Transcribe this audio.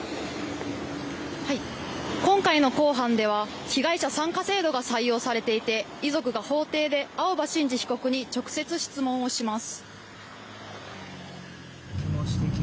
今回の公判では被害者参加制度が採用されていて遺族が法廷で青葉真司被告に直接質問をします。